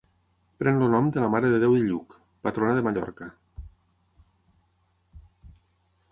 Pren el nom de la Mare de Déu de Lluc, patrona de Mallorca.